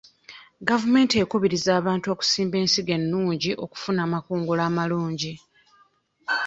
Gavumenti ekubiriza abantu okusimba ensigo ennungi okufuna amakungula amalungi.